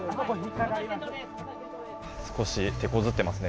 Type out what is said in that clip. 少し手こずってますね。